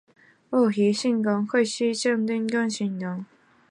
奥比萨尔盖。